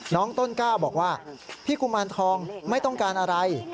น้องต้นกล้าบอกว่าพี่กุมารทองไม่ต้องการอะไร